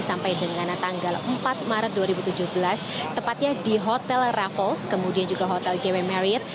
sampai dengan tanggal empat maret dua ribu tujuh belas tepatnya di hotel raffles kemudian juga hotel jw marrier